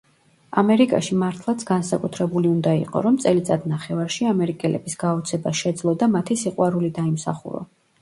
ამერიკაში მართლაც განსაკუთრებული უნდა იყო, რომ წელიწადნახევარში ამერიკელების გაოცება შეძლო და მათი სიყვარული დაიმსახურო.